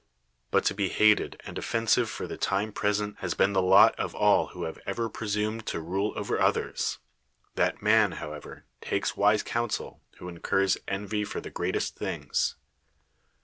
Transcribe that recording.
But to be hated and offensive for the tim.e present has been the lot of all who have ever presumed to rule over others; that man, how ever, takes wise counsel, who incurs envy for the greatest things.